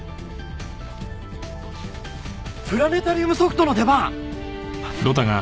プラネタリウムソフトの出番！